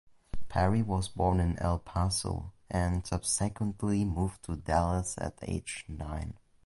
Perry was born in El Paso and subsequently moved to Dallas at age nine.